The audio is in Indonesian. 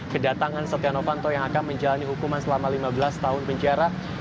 kedatangan setia novanto yang akan menjalani hukuman selama lima belas tahun penjara